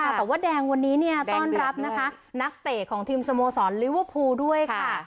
แต่ว่าแดงวันนี้เนี่ยต้อนรับนะคะนักเตะของทีมสโมสรลิเวอร์พูลด้วยค่ะ